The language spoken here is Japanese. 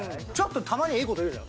たまにはいいこと言うじゃん。